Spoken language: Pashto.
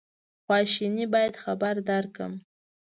خواشیني باید خبر درکړم.